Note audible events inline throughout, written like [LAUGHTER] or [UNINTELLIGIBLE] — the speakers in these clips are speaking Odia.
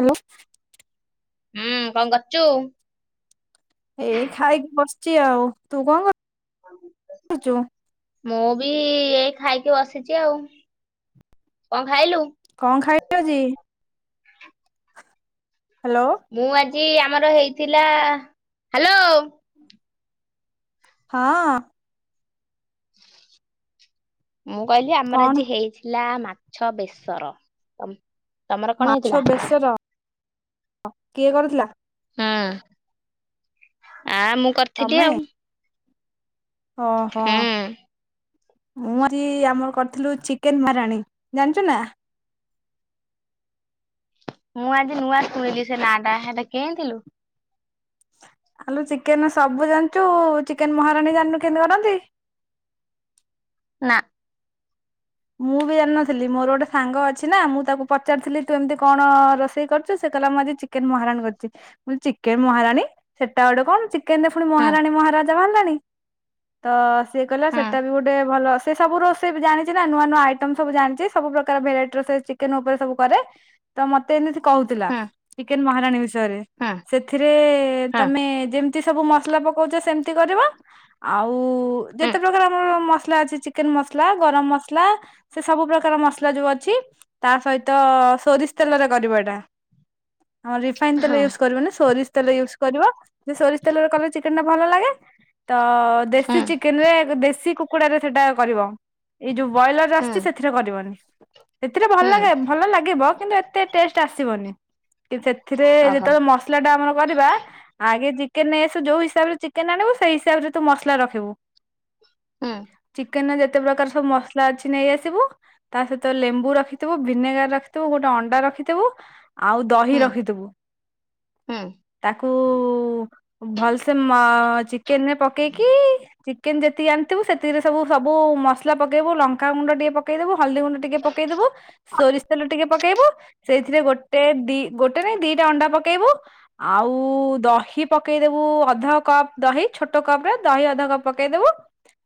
ହାଲୋ। ହୁଁ କଣ କରୁଚୁ? ଏଇ ଖାଇକି ବସିଚି ଆଉ ତୁ କଣ କରୁଚୁ? ମୁଁ ବି ଏଇ ଖାଇକି ବସିଚି ଆଉ କଣ ଖାଇଲୁ? କଣ ଖାଇଲୁ ଆଜି? ହାଲୋ। ମୁଁ ଆଜି ଆମର ହେଇଥିଲା ହାଲୋ ହଁ। ମୁଁ କହିଲି ଆମର କଣ ଆଜି ହେଇଥିଲା ମାଛ ବେସର। ତମର କଣ ମାଛ ହେଇଥିଲା? ବେସର କିଏ କରୁଥିଲା? ହୁଁ ଆ ମୁଁ କରିଥିଲି ତମେ ଆଉ। ଓହୋ। ହୁଁ ମୁଁ ଆଜି ଆମର କରିଥିଲୁ ଚିକେନ ମାହାରାଣୀ ଜାଣିଚୁ ନା? ମୁଁ ଆଜି ନୂଆ ଶୁଣିଲି ସେ ନା ଟା ହେଟା କେନ୍ତୀ ଲୋ? ଆଲୁ ଚିକେନ ସବୁ ଜାଣିଚୁ ଚିକେନ ମହାରାଣୀ ଜାଣିିନୁ କେମତି କରନ୍ତି? ନା। ମୁଁ ବି ଜାଣିନଥିଲି। ମୋର ଗୋଟେ ସାଙ୍ଗ ଅଛି ନା ମୁଁ ତାକୁ ପଚାରିଥିଲି ତୁ ଏମିତି କଣ ରୋଷେଇ କରୁଚୁ? ସେ କଲା ମୁଁ ଆଜି ଚିକେନ ମହାରାଣୀ କରିଛି ମୁ ଚିକେନ ମହାରଣୀ ସେଟା ଗୋଟେ କଣ? ଚିକ କେନ୍ଦେ ପୁଣି ହଁ ମହାରାଣୀ ମହାରାଜା ବାହାରିଲାଣି ତ ସିଏ କହିଲା ହଁ ସେଟା ବି ଗୋଟେ ଭଲ ସେ ସବୁ ରୋଷାଇ ବି ଜାଣି ନା ନୂଆ ନୂଆ ଆଇଟମ ସବୁ ଜାଣିଛି ସବୁ ପ୍ରକାର ଭେରାଇଟି ର ସେ ଚିକେନ ଉପରେ ସବୁ କରେ ତ ମତେ ଏମିତି କହୁଥିଲା ହଁ ଚିକେନ ମହାରାଣୀ ବିଷୟରେ ହଁ ସେଥିରେ ହଁ ତମେ ଯେମୀ ତି ସବୁ ମସଲା ପକାଉଛ ସେମତି କରିବ। ଆଉ ହଁ ଯେତେ ପ୍ରକାର ଆମର ମସଲା ଅଛି ଚିକେନ ମସଲା ଗରମ ମ ମସଲା ସେ ସବୁ ପ୍ରକାର ମସଲା ଯୋଉ ଅଛି ତା ସହିତ ସୋରିଷ ତେଲରେ କରିବ ଏଇଟା। [INAUDIBLE] ଆମର ରିଫାଇନ ହଁ ତେଲ ୟୁଜ୍ କରିବନି ସୋରିଷ ତେଲ ୟୁଜ କରିବ ସେ ସୋରିଷ ତେଲରେ କଲେ ଚିକ ନ୍ ଟା ଭଲ ଲାଗେ ତ ହଁ ଦେଶୀ ଚିକେନ ରେ ଦେଶୀ କୁକୁଡାରେ ସେଟା କରିବ। ଏଇ ଯୋଉ ବ୍ରଏଲର ହଁ ଆସିୁଛି ସେଥିରେ କରିବନି। ସେଥିରେ ଭଲ ହୁଁ ଲାଗେ ଭଲ ଲାଗିବ କିନ୍ତୁ ଏତେ ଟେଷ୍ଟ ଆସିବନି। କି ସେଥିରେ ଓହୋ ଯେତେବେଳେ ମସଲା ଟା ଆମର କରିବା ଆଗେ ଚି କେନେ ନେଇଆସିବୁ ଯୋଉ ହିସାବରେ ଚିକେନ ଆଣିବୁ ସେଇ ହିସାବରେ ତୁ ମସଲା ରଖିବୁ। ହୁଁ ଚିକେନ ନା ଯେତେ ପ୍ରକାର ସବୁ ମସଲା ଅଛି ନେଇଆସିବୁ ତା ସହିତ ଲେମ୍ବୁ ରଖିଥିବୁ ଭିନେଗାର ରଖିଥିବୁ ଗୋଟେ ଅଣ୍ଡା ରଖିଥିବୁ ଆଉ ଦହି ହୁଁ ରଖିଥିବୁ। ହୁଁ ତାକୁ ଭଲସେ ମ ଚିକେନରେ ପକେଇକି ଚିକେନ ଯେତିକି ଆଣିଥିବୁ ସେତିରେ ସବୁ ସବୁ ମସଲା ମସଲା ପକେଇବୁ ଲଙ୍କାାଗୁଣ୍ଡ ଟିକେ ପକେଇଦବୁ ହଳଦୀ ଗୁଣ୍ଡ ଟିକେ ପକେଇଦବୁ ସୋରିଷ ତେଲ ଟିକେ ପକେଇବୁ ସେଇଥିରେ ଗୋଟେ ଦି ଗୋଟେ ନାଇ ଦିଟା ଅଣ୍ଡା ପକେଇବୁ ଆଉ ଦହି ପକେଇଦବୁ। ଉ ଅଧ କପ ଦହି ଛୋଟ କପ ରେ ଦହି ଅଧ କପ୍ ପକେଇଦେବୁ।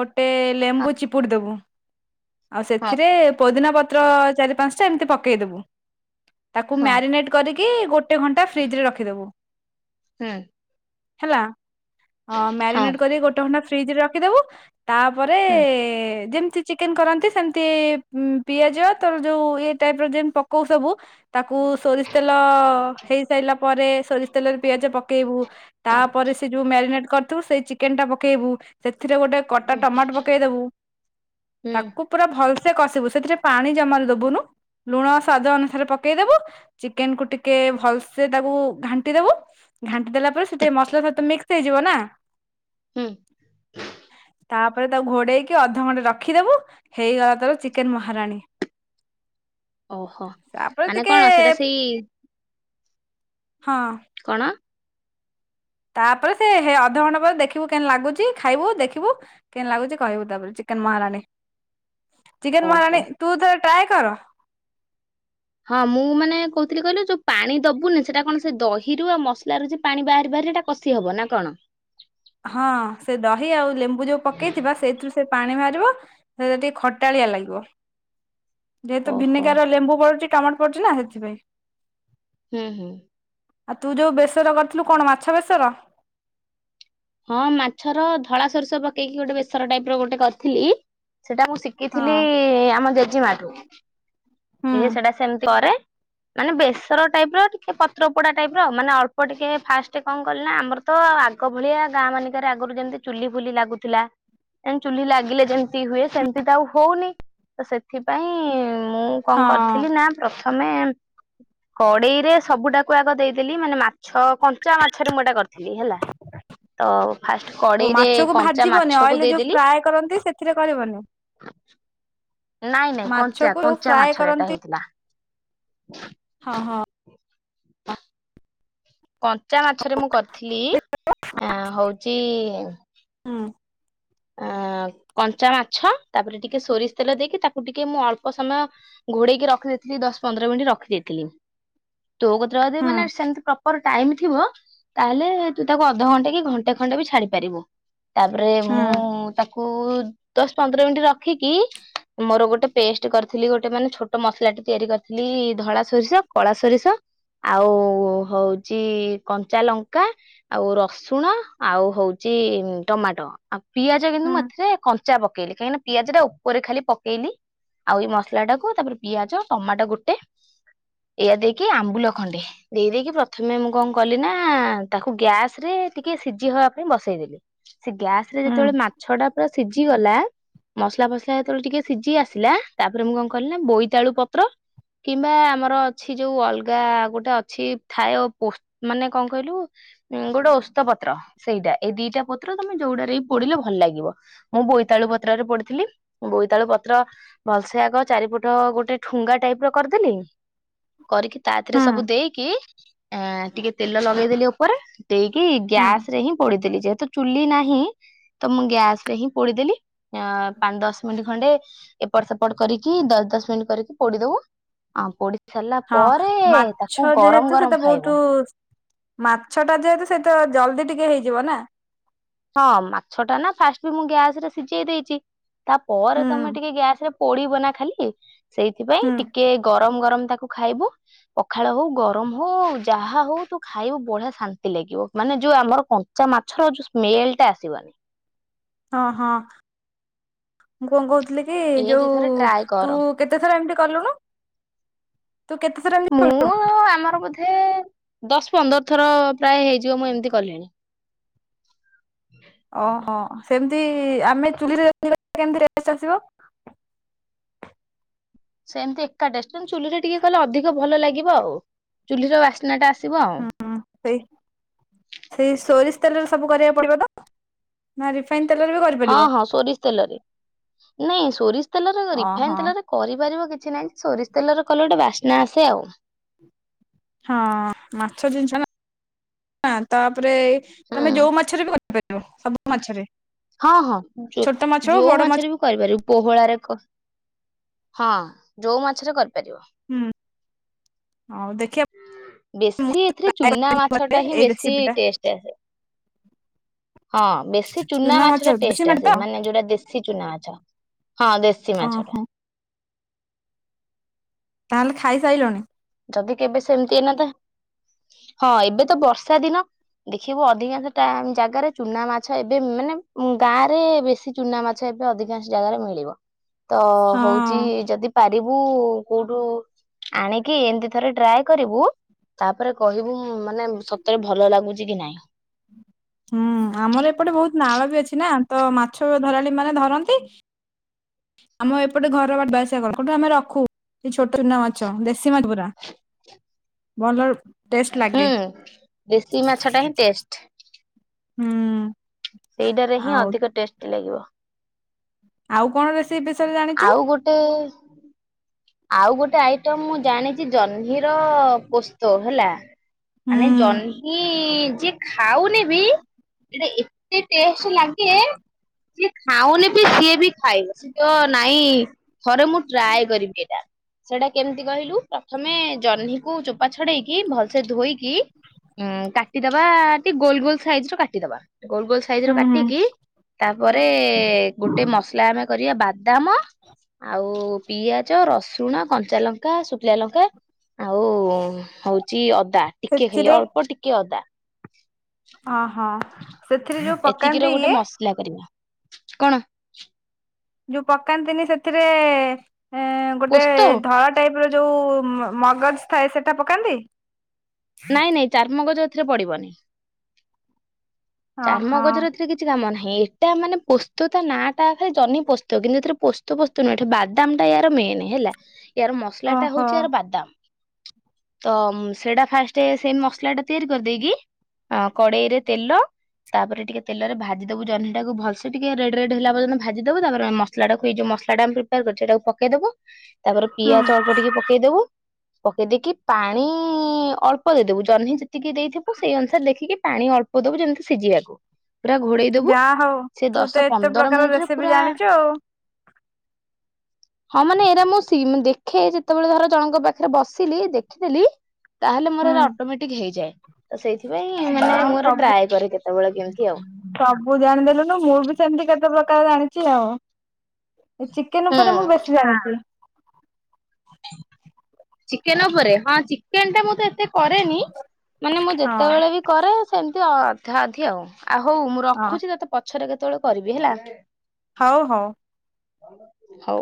ଗୋଟେ ହଁ ଲେମ୍ବୁ ଚିପୁଡ଼ି ଦେବୁ ଆଉ ହଁ ସେଥିରେ ପୋଦିନା ପ ତ୍ର ଚାରି ପାଞ୍ଚଟା ଏମିତି ପକେଇ ଦବୁ। ତାକୁ ହଁ ମ୍ୟାରିନେଟ୍ କରିକି ଗୋ ଗୋଟେ ଘଣ୍ଟା ଫ୍ରିଜ ରେ ରଖିଦବୁ ହୁଁ ହେଲା ଅଁ ହଁ ମ୍ୟାରିନେଟ କରିକି ଗୋଟେ ଘଣ୍ଟା ଫ୍ରିଜ ରେ ରଖିଦବୁ ତାପରେ ହୁଁ ଏ ଏ ଯେମିତି ଚିକେନ କରନ୍ତି ସେମତି ଇ ପିଆଜ ତର ଯୋଉ ଇଏ ଟାଇପ ର ଯେମିତି ପକଉ ସବୁ ତାକୁ ସୋରିଷ ତେଲ ହେଇସାରିଲା ପରେ ସୋରିଷ ତେଲରେ ପିଆଜ ପକେଇବୁ ତାପରେ ସେ ଯୋଉ ମ୍ୟାରିନେଟ କରିଥିବୁ ସେଇ ଚିକେନ ଟା ପକେଇବୁ ସେ ସେଥିରେ ଗୋଟେ କଟା ହୁଁ ଟମାଟ ପକେଇଦବୁ ହୁଁ ତାକୁ ପୁରା ଭଲ୍ ସେ କସିବୁ ସେଥିରେ ପାଣି ଜମାରୁ ଦବୁନୁ ଲୁଣ ସ୍ଵାଦ ଅନୁସାରେ ପକେଇଦବୁ ଚିକେନ କୁ ଟିକେ ଭଲସେ ତାକୁ ଘାଣ୍ଟି ଦବୁ ଘାଣ୍ଟି ଦେଲା ପରେ ସିଏଟିକେ ମସଲା ସହିତ ମିକ୍ସ ହେଇଯିବ ନା ହୁଁ ତାପରେ ତାକୁ ଘୋଡେଇକି ଅଧଘଣ୍ଟା ରଖିଦବୁ ହେଇଗଲା ତୋର ଚିକେନ ମହାରାଣୀ ଓହୋ ତାପରେ ମାନେ ଟିକେ କଣ ସେଇଟା ସେଇ ହଁ କଣ ତାପରେ ସେ ହେ ଅଧଘଣ୍ଟା ପରେ ଦେଖିବୁ କେମତି ଲାଗୁଛି ଖାଇବୁ ଦେଖିବୁ କେମତି ଲାଗୁଛି କହିବୁ ତାପରେ ଚି କେନ୍ ମହାରାଣୀ [INAUDIBLE] ଚିକେନ ଓହୋ ମହାରାଣି ତୁ ଥରେ ଟ୍ରାଏ କର ହଁ ମୁଁ ମାନେ କହୁଥିଲି କହିଲ ଯୋଉ ପାଣି ଦବୁନି ସେଟା କଣ ସେ ଦହିରୁ ଆଉ ମସଲାରୁ ସେ ପାଣି ବାହାରି ବାହାରି ସେଥିରେ ହେଟା କଷି ହବ ନା କଣ? ହଁ ସେ ଦହି ଆଉ ଲେମ୍ବୁ ଯୋଉ ପକେଇଥିବା ସେଇଥିରୁ ସେ ପାଣି ବାହାରି ଯୋଉ ଟିକେ ଖଟାଳିଆ ଲାଗିବ ଯେହେତୁ ଓହୋ ଭିନେଗାର୍ ଆଉ ଲେମ୍ବୁ ପଡ଼ୁଛି ଟମାଟୋ ପଡୁଛି ନା ହେଥିପାଇଁ ହୁଁ ହୁଁ ଆଉ ତୁ ଯୋଉ ବେସର କରିଥିଲୁ! କଣ ମାଛ ବେସର? ହଁ, ମାଛର ଧଳା ସୋରିଷ ପକେଇକି, ଗୋଟେ ବେସର ଟାଇପ୍ ର ଗୋଟେ କରିଥିଲି। ସେଟା ମୁଁ ହଁ ଶିଖିଥିଲି-ଇ-ଇ ଆମ ଜେଜିମା ଠୁ। ହୁଁ ସିଏ ସେଟା ସେମତି କରେ। ମାନେ ବେସର ଟାଇପ୍ ର, ଟିକେ ପତ୍ର ପୋଡା ଟାଇପ୍ ର ଆଉ। ମାନେ ଅଳ୍ପ ଟିକେ ଫାଷ୍ଟ କଣ କଲି ନା, ଆମର ତ ତ ଆଗ ଭଳିଆ ଗାଁ ମାନକରେ, ଆଗରୁ ଯେମିତି ଚୁଲି ଫୁଲି ଲାଗୁଥିଲା ଏମ ଚୁ୍ହ୍ଲି ଲାଗିଲେ ଯେମତି ହୁଏ, ସେମିତି ତ ଆଉ ହଉନି। ତ ସେଥିପାଇଁ-ଇଁ -ଇଁ ମୁଁ କଁ ହଁ କରିଥିଲି ନା, ପ୍ରଥମେ କଡେଇ ରେ ସବୁଟାକୁ ଆଗ ଦେଇଦେଲି। ମାନେ ମାଛ କଞ୍ଚା ମାଛରେ ମୁଁ, ଏଟା କରିଥିଲି ହେଲା। ତ ଫାଷ୍ଟ ଓ କଡେଇରେ ମାଛକୁ କଞ୍ଚା ଭାଜିବନି ମାଛକୁ ଅଏଲରେ ଯୋଉ ଦେଇଦେଲି, ଫ୍ରାଏ କରନ୍ତି ସେଥିରେ କରିବନି ନାଇଁ ନାଇଁ କଞ୍ଚା! ମାଛକୁ ଯୋଉ କଞ୍ଚା ଫ୍ରାଏ ମାଛରେ ଏଇଟା କରନ୍ତି ହେଇଥିଲା। ହଁ ହଁ। କଞ୍ଚା ମାଛରେ ମୁଁ କରିଥିଲି। ଏଁ ହଉଚି-ଇ ହୁଁ ଅଁ, ଅଁ କଞ୍ଚା ମାଛ ତାପରେ, ଟିକେ ସୋରିଷ ତେଲ ଦେଇକି ତାକୁ ଟିକେ ମୁଁ ଅଳ୍ପ ସମୟ ଘୋଡେଇକି ରଖି ସେଥିରେ ଦଶ ପନ୍ଦର ମିନିଟ ରଖି ଦେଇଥିଲି। ତୋ କତିରେ ଅଦି ହୁଁ ମାନେ ସେମିତି ପ୍ରପର ଟାଇମ୍ ଥିବ ତାହେଲେ ତୁ ତାକୁ ଅଧଘଣ୍ଟେ କି ଘଣ୍ଟେ ଖଣ୍ଡେ ବି ଛାଡି ପାରିବୁ। ତାପରେ ହୁଁ ମୁଁ ତାକୁ କୁ ଦଶ ପନ୍ଦର ମିନିଟ ରଖିକି, ମୋର ଗୋଟେ ପେଷ୍ଟ କରିଥିଲି ଗୋଟେ ମାନେ, ଛୋଟ ମସଲା ତିଆରି କରିଥିଲି ଧଳା ସୋରିଷ, କଳା ସୋରିଷ ଆଉ ହଉଛି କଞ୍ଚା ଲଙ୍କା, ଆଉ ରସୁଣ, ଆଉ ହଉଛି ଟମାଟୋ, ଆଉ ପିଆଜ କିନ୍ତୁ ହୁଁ ମୁଁ, ଏଥିରେ କଞ୍ଚ ଚା ପକେଇଲି। କାହିଁକିନା ପିଆଜଟା ଉପରେ ଖାଲି ପକେଇଲି। ଆଉ ଏଇ ମସଲା ଟାକୁ। ତାପରେ ପିଆଜ ଟମାଟୋ ଗୋଟେ ଏଇଆ ଦେଇକି ଆମ୍ବୁଲ ଖଣ୍ଡେ, ଦେଇ ଦେଇକି ପ୍ରଥମେ ମୁଁ କଣ କଲି ନା, ତାକୁ ଗ୍ୟାସ ରେ ଟିକେ ସିଝିହବା ପାଇଁ ବସେଇଦେଲି, ସେ ଗ୍ୟାସରେ ହୁଁ ଯେତେବେଳେ ମାଛଟା ପୁରା ସିଝିଗଲା ମସଲାଫସଲା ଯେତେବେଳେ ଟିକେ ସିଝି ଆସିଲା। ତାପରେ ମୁଁ, କଣ କଲିି ନା ବୋଇତାଳୁ ପତ୍ର କିମ୍ବା ଆମର ଅଛି, ଯୋଉ ଅଲଗା ଗୋଟେ ଅଛି ଥାଏ। ପୋ ମାନେ କଣ କହିଲୁ ଉଁ ଗୋଟେ ଔସ୍ତପତ୍ର ସେଇଟା। ଏଇ ଦିଟାପତ୍ର ତମେ ଯୋଉଡ଼ା ରେ ପୋଡିଲେ ଭଲ ଲାଗିବ। ମୁଁ ବୋଇତାଳୁ ପତ୍ରରେ ପୋଡ଼ିଥିଲି। ମୁଁ ବୋଇ ତାଳୁ ପତ୍ର ଭଲସେ ଆଗ, ଚାରିପଟ ଗୋଟେ ଠୁଙ୍ଗା ଟାଇପର କରିଦେଲି। କରିକି ତାଥିରେ ହୁଁ ସବୁ ଦେଇକି ଆଁ ଟିକେ ତେଲ ଲଗେଇଦେଲି ଓପରେ। ଦେଇକି ହୁଁ ଗ୍ୟାସରେ ହିଁ ପୋଡିଦେଲି। ଯେହେତୁ ଚୁଲି ନାହିଁ ତ ମୁଁ ଗ୍ୟାସରେ ହିଁ ପୋଡିଦେଲି। ଆଁ ପାଞ୍ଚଦଶ ମିନିଟ ଖଣ୍ଡେ ଏପଟସେପଟ କରିକି ଦଶ ଦଶ ମିନିଟ୍ କରିକି ପୋଡିଦବୁ। ଅଁ ପୋଡି ସାରିଲା ହଁ ପରେ, ତାକୁ ଗରମ ଗରମ ଖାଇବ। ମାଛଟା ଯେହେତୁ, ସେଇତ ଜଲଦି ଟିକେ ହେଇଯିବ ନା। ହଁ, ମାଛଟା ନା ଫାଷ୍ଟ ବି ମୁଁ ଗ୍ୟାସରେ ସିଝେଇ ଦେଇଚି। ତାପରେ ହୁଁ ତମେ ଟିକେ ଗ୍ୟାସରେ ପୋଡିବ ନା ଖାଲି, ହୁଁ ସେଇଥିପାଇଁ ଟିକେ ଗର ଗରମ ଗରମ ତାକୁ ଖାଇବୁ ପଖାଳ ହଉ, ଗରମ ହଉ, ଯାହା ହଉ ତୁ ଖାଇବୁ। ବଢିଆ ଶାନ୍ତି ଲା ଗିବ। ମାନେ ଯୋଉ ଆମର କଞ୍ଚା ମାଛର ଯୋଉ ସ୍ମେଲଟା ଆସିବନି। ଅ ହଁ, ମୁଁ କଣ କହୁଥି କିଲିକି, ଏମିତି ଯୋଉ ଥରେ -ଉ ଟ୍ରାଏ ତୁ କର। କେତେଥର ଏମିତି କଲୁୁଣୁ? ମୁଁ-ଉଁ-ଉଁ ଆମର ବୋଧେ ଦଶ ପନ୍ଦରଥର ପ୍ରାୟ ହେଇଯିବ। ମୁଁ ଏମିତି କଲିଣି। ଓହ, ସେମିତି ଆମେ ଚୁଲିରେ [INAUDIBLE] କେମତି ଆସିବ? ସେମିତି ଏକାଟେଷ୍ଟ। କିନ୍ତୁ ଚୁହ୍ଲିରେ ଟିକେକଲେ ଅଧିକ ଭଲଲାଗିବ ଆଉ, ଚୁହ୍ଲିର ବାସ୍ନା ଟା ଆସିବ ଆଉ ହୁଁ ହୁଁ ସେଇ, ସେଇ ସୋରିଷ ତେଲ ରେ ସବୁ କରିବାକୁ ପଡିବତ? ନା ରିଫାଇନ! ତେଲରେ ବି ହଁ କରିପାରିବ ହଁ ସୋରିଷତେଲରେ, ନାଇଁ ସୋରିଷତେଲରେ ଓହୋ ରିଫାଇନତେଲରେ କରିପାରିବ କି କିଛିନାହିଁ, ସୋରିଷତେଲର କଲେ ଗୋଟେ ବାସ୍ନା ଆସେ ଆଉ। ହଁ ମାଛ ଜିନିଷ ତାପରେ ତମେ ହୁଁ। ଯୋଉ ମାଛରେ ସବୁ ମାଛରେ। ହଁ ହଁ ଯୋ ଛୋଟ ମାଛ ହଉ ଯୋଉ ବଡ ମାଛ ମାଛରେ ବି କରିପାରିବ। ପୋହଳାରେ ହଁ ଯୋଉ ମାଛରେ କରିପାରିବ। ହୁଁ ହଉ ଦେ ବେଶୀ ଏଥିରେ ଚୁନା ଘରେ ମାଛଟା ହିଁ ଏଇ ବେଶୀ ରେସିପି ଟା ଟେଷ୍ଟ ଆସେ। ହଁ ବେଶୀ ଚୁନା ଚୁନାମାଛ ମାଛ ଟା ଦେଶୀ ଟେଷ୍ଟ ମାଛ ଆସେ ତ ମାନେ ଯୋଉଟା ଦେଶୀ ଚୁନାମାଛ। ହଁ ଦେଶୀ ମାଛଟା। ଓହୋ ତାହେଲେ ଖାଇସାଇଲଣି? ଯଦି କେବେ ସେମିତି ଏଇନାତ ହଁ ଏବେତ ବର୍ଷାଦିନ। ଦେଖିବୁ ଅଧିକାଂଶ ଜାଗାରେ ଚୁନାମାଛ ଏବେ ମାନେ ଗାଁରେ ବେଶୀ ଚୁନାମାଛ। ଅଧିକାଂଶ ଜାଗାରେ ମିଳିବ। ତ ହଁ ହଉଚି ଯଦି ପାରିବୁ କୋଉଠୁ ଆଣି କି ଏମିତି ଥରେ ଟ୍ରାଏ କରିବୁ। ତାପରେ କହିବୁ ମାନେ ସତରେ ଭଲ ଲାଗୁଛି କି ନାଇଁ। ହୁଁ ଆମର ଏପଟେ ବହୁତ ନାଳ ବି ଅଛି ନା ତ ମାଛଧରାଳି ମାନେ ଧରନ୍ତି। ଆମ ଏପଟେ ଘର ବାଟ [UNINTELLIGIBLE] ଯୋଉଠୁ ଆମେ ରଖୁ। ସେ ଛୋଟ ଚୁନାମାଛ ଦେଶୀମାଛ ପା ଭଲ। ଟେଷ୍ଟ ହୁଁ। ଲାଗେ। ଦେଶୀ ମାଛଟା ହିଁ ଟେଷ୍ଟ ହୁଁ। ସେଇଟାରେ ହିଁ ଆଉ ଅଧିକ ଟେଷ୍ଟି ଲାଗିବ। ଆଉ କଣରେ ଆଉ ଗୋଟେ ଆଉ ଗୋଟେ ଆଇଟମ୍ ମୁଁ ଜାଣିଛି ଜହ୍ନିର ପୋସ୍ତ ହେଲା। ହୁଁ ମାନେ ଜହ୍ନି। ଯିଏ ଖାଉନି ବି ଏଟା ଏତେ ଟେଷ୍ଟ୍ ଲାଗେ। ସିଏ ଖାଉନି ବି ସିଏ ବି ଖାଇବ ସେ ଯୋଉ ନାଇଁ ଥରେ ମୁଁ ଟ୍ରାଏ କରିବି। ଯା ସେଇଟା କେମିତି କହିଲୁ ପ୍ରଥମେ ଜହ୍ନିକୁ ଚୋପା ଛଡେଇକି ଭଲସେ ଧୋଇକି ହୁଁ କାଟିଦବା ଟିକେ ଗୋଲ ଗୋଲ ସାଇଜ ର କାଟିଦବା। ଗୋଲ ଗୋଲ ସାଇଜି ର ହୁଁ ହୁଁ କାଟିକି ତାପରେ ଗୋଟେ ମସଲା ଆମେ କରିବା ବା ଦାମ ଆଉ ପିଆଜ, ରସୁଣ, କଞ୍ଚା ଲଙ୍କା, ଶୁଖିଲା ଲଙ୍କା। ଆଉ ହଉଚି ଅଦା ଟିକେ ଖାଲି ଅଳ୍ପ ଟିକେ ଅଦା। ଅ ହଁ ସେଥିରେ ଯୋଉ ଏତିକିର ପକାନ୍ତି ଗୋଟେ ଇଏ। ମସଲା କରିବା କଣ? ଯୋଉ ପକାନ୍ତିନି ସେଥିରେ ଗୋଟେ ପୋସ୍ତ ଧଳା ଟାଇପ୍ ର ଯୋଉ ମ ମଗଜ୍ ଥାଏ ସେଟା ପକାନ୍ତି। ନାଇଁ ନାଇଁ ଚାରୁ ମଗଜ ଏଥିରେ ପଡ଼ିବନି। ଓହୋ ଚାରୁମଗଜରେ ଏଥିରେ କିଛି କାମ ନାହିଁ। ହେଇଟା ମାନେ ପୋସ୍ତ ତା ନାଁଟା ଖାଲି ଜହ୍ନି ପୋସ୍ତ କିନ୍ତୁ ଏଥିରେ ପୋସ୍ତ ଫୋସ୍ତ ନୁହେଁ ବାଦାମଟା ଇଆର ମେ ନ୍ ହେଲା ଇଆର ମସଲା ଟା ଓହୋ ହଉଛି ଆର ବାଦାମ ତ ସେଟା ଫାଷ୍ଟ ସେ ମସଲା ଟା ତିଆରି କରିଦେଇକି କଡେଇରେ ତେଲ ତାପରେ ଟିକେ ତେଲରେ ଭାଜି ଦବୁ ଜହ୍ନି ଟାକୁ ଭଲସେ ଟିକେ ରେଡ ରେଡ୍ ହେଲାପର୍ଯ୍ୟନ୍ତ ଭାଜି ଦବୁ ତାପପରେ ମସଲା ଟାକୁ ଟିକେ ଏ ଜଉ ମସଲାଟା ଆମେ ପ୍ରିପେୟାର କରିଛୁ ସେଟାକୁ ପକେଇଦବୁ। ତାପରେ ହୁଁ ପିଆଜ ଅଳ୍ପ ଟିକେ ପକେଇଦବୁ ପକେଇ ଦେଇକି ପାଣି ଅଳ୍ପ ପକେଇଦବୁ ଜହ୍ନି ଯେତିକି ଦେଇଥିବୁ ସେଇ ଅନୁସାରେ ଦେଖିକି ପାଣି ଅଳ୍ପ ଦବୁ ଯେମିତି ସିଝିବାକୁ। ପୁରା ଘୋଡେଇ ଦବୁ ଯାହା ହଉ ସେ ତୁ ଦଶ ତ ଏତେ ପନ୍ଦର ପ୍ରକାର ମିନିଟ୍ ରେ ରେସିପି ପୁରା ଜାଣିଛୁ ଆଉ। [UNINTELLIGIBLE] ହଁ ମାନେ ଏଇରା ମୁଁ ସି ଦେଖେ ଯେତେବେଳେ ଧର ଜଣଙ୍କ ପାଖରେ ବସିଲି ଦେଖିଦେଲି। ତାହେଲେ ହୁଁ ଅଟୋମେଟିକ୍ ହେଇଯାଏ ତ ସେଇଥିପାଇ ମାନେ ଆଉ ମୁଁ ସବୁ ଟ୍ରାଏ କରେ କେତେବେଳେ କେମିତି ଆଉ। ସବୁ ଜାଣିଦେଲୁନୁ ମୁଁ ବି ସେମିତି କେତେ ପ୍ରକାର ହାଲ୍କା ଜାଣିଛି ଆଉ ଚିକେନ ହୁଁ। ଉପରେ ମୁଁ ବେଶୀ ଜାଣିଚି। ଚିକେନ ଉପରେ ହଁ ଚିକେନ ଟା ମୁଁ ତ ଏତେ କରେନି ମାନେ ମୁଁ ହଁ ଯେତେବେଳେ ବି କରେ ସେମିତି ଅଧା ଅଧି ଆଉ। ଆଉ ହଉ ମୁଁ ହଁ ରଖୁଛି ତତେ ପଛରେ କେତେବେଳେ କରିବି ହେଲା। ହଉ ହଉ। ହଉ।